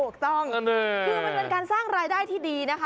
ถูกต้องคือมันเป็นการสร้างรายได้ที่ดีนะคะ